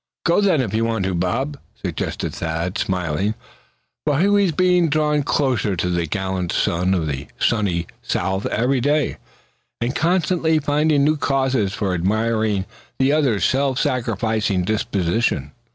"Go then, if you want to, Bob," suggested Thad, smiling; for he was being drawn closer to this gallant son of the Sunny South every day; and constantly found new causes for admiring the other's self sacrificing disposition.